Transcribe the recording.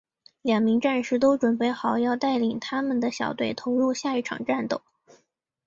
两名战士都准备好要带领他们的小队投入下一场战斗。